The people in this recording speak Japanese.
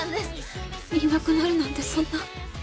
いなくなるなんてそんな。